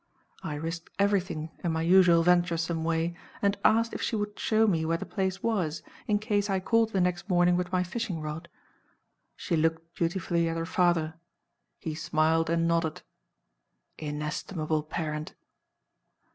I risked everything in my usual venturesome way, and asked if she would show me where the place was, in case I called the next morning with my fishing rod. She looked dutifully at her father. He smiled and nodded. Inestimable parent!